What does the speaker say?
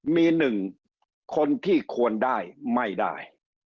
มีหนึ่งคนที่ควรได้ไม่ได้